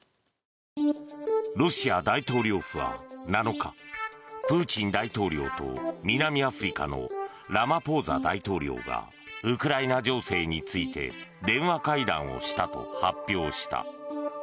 ロシア大統領府は７日プーチン大統領と南アフリカのラマポーザ大統領がウクライナ情勢について電話会談をしたと発表した。